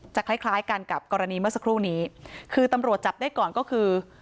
คล้ายคล้ายกันกับกรณีเมื่อสักครู่นี้คือตำรวจจับได้ก่อนก็คือ